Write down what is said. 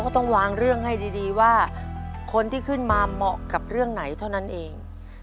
ต้องวางเรื่องให้ดีว่าคนที่ขึ้นมาเหมาะกับเรื่องไหนเท่านั้นเอง